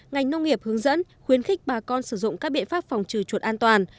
ngành nông nghiệp hướng dẫn khuyến khích bà con sử dụng các biện pháp phòng trừ chuột an toàn